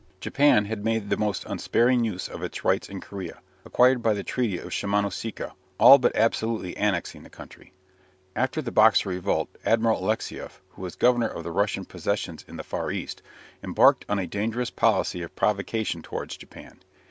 Japan had made the most unsparing use of its rights in Korea, acquired by the Treaty of Shimonoseki, all but absolutely annexing the country. After the Boxer revolt Admiral Alexieff, who was governor of the Russian possessions in the Far East, embarked on a dangerous policy of provocation towards Japan.